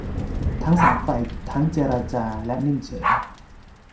ทั้งสองฝ่ายทั้งเจรจาและนิ่งเฉย